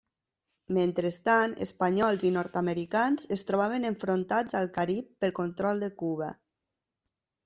Mentrestant, espanyols i nord-americans es trobaven enfrontats al Carib pel control de Cuba.